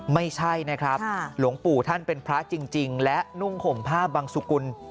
ไม่ใช่นะครับหลวงปู่ท่านเป็นพระจริงและนุ่งห่มผ้าบังสุกุล